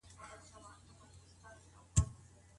د شکايت څېړل د کورنۍ د بقا لپاره مهم دي.